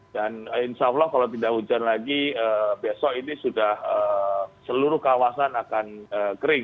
dan insya allah kalau tidak hujan lagi besok ini sudah seluruh kawasan akan kering